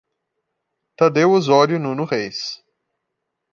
Tadeu Osório Nuno Reis